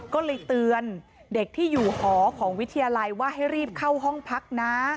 ก็เลยเตือนเด็กที่อยู่หอของวิทยาลัยว่าให้รีบเข้าห้องพักนะ